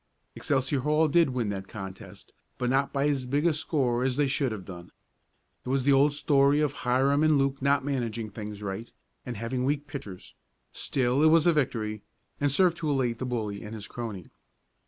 Excelsior Hall did win that contest, but not by as big a score as they should have done. It was the old story of Hiram and Luke not managing things right, and having weak pitchers. Still it was a victory, and served to elate the bully and his crony.